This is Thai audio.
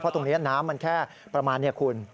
ตรงนี้น้ำมันแค่ประมาณนี้คุณ